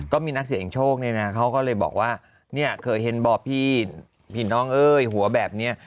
ก็มีนักเสียงโชคเนี่ยนะเขาก็เลยบอกว่าเนี่ยเคยเห็นบ่อพี่ผีน้องเอ้ยหัวแบบนี้